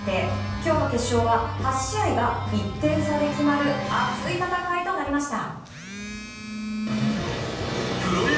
今日の決勝は８試合が１点差で決まる無事到着しました！